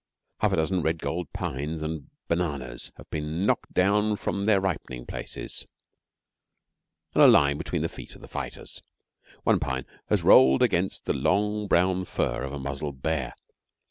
Half a dozen red gold pines and bananas have been knocked down from their ripening places, and are lying between the feet of the fighters. One pine has rolled against the long brown fur of a muzzled bear.